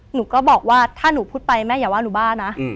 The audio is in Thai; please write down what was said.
หนูก็บอกว่าถ้าหนูพูดไปแม่อย่าว่าหนูบ้านะ